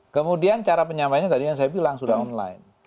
kemudian cara penyampaiannya tadi yang saya bilang sudah online